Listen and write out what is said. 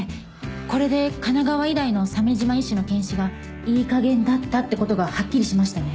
これで神奈川医大の鮫島医師の検視がいい加減だったって事がはっきりしましたね。